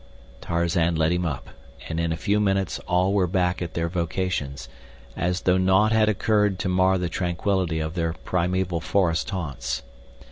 Tarzan let him up, and in a few minutes all were back at their vocations, as though naught had occurred to mar the tranquility of their primeval forest haunts.